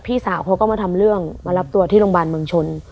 พี่สาวเขาก็มาทำเรื่องมารับตัวที่โรงพยาบาลเมืองชน